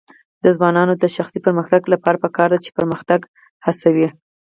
د ځوانانو د شخصي پرمختګ لپاره پکار ده چې پرمختګ هڅوي.